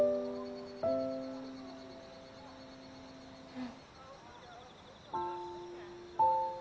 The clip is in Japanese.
うん。